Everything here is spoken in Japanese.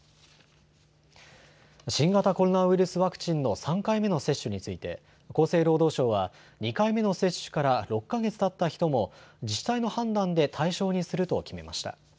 新型コロナウイルスワクチンの３回目の接種について、厚生労働省は、２回目の接種から６か月たった人も、自治体の判断で対象にすると決めました。